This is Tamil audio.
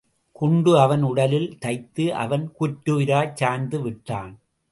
குண்டு அவன் உடலில் தைத்து, அவன் குற்றுயிராய் சாய்ந்து விட்டான்.